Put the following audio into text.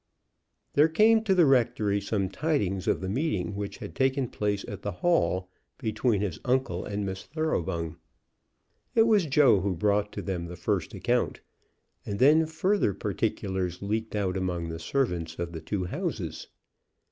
There came to the rectory some tidings of the meeting which had taken place at the Hall between his uncle and Miss Thoroughbung. It was Joe who brought to them the first account; and then farther particulars leaked out among the servants of the two houses.